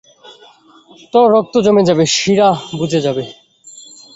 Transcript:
তোর রক্ত জমে যাবে, শিরা বুজে যাবে।